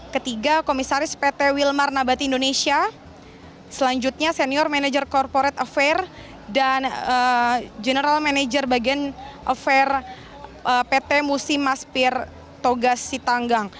ketiga komisaris pt wilmar nabati indonesia selanjutnya senior manager corporate afair dan general manager bagian affair pt musimaspir togas sitanggang